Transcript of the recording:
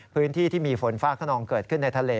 พื้นที่ที่มีฝนฟ้าขนองเกิดขึ้นในทะเล